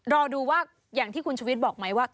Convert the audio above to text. รอดูว่าอย่างที่คุณชุวิตบอกไหมว่า